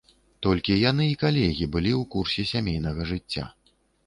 Толькі яны і калегі былі ў курсе сямейнага жыцця.